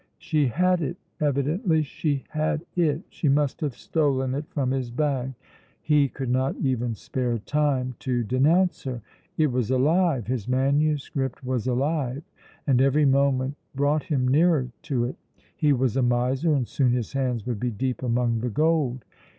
She had it, evidently she had it; she must have stolen it from his bag. He could not even spare time to denounce her. It was alive his manuscript was alive, and every moment brought him nearer to it. He was a miser, and soon his hands would be deep among the gold.